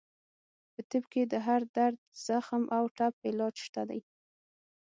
په طب کې د هر درد، زخم او ټپ علاج شته دی.